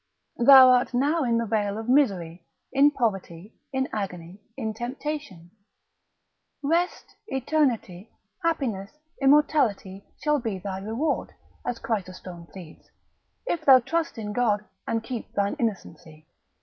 Thou art now in the vale of misery, in poverty, in agony, in temptation; rest, eternity, happiness, immortality, shall be thy reward, as Chrysostom pleads, if thou trust in God, and keep thine innocency.